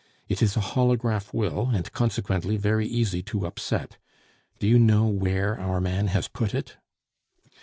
It is a holograph will, and consequently very easy to upset. Do you know where our man has put it?"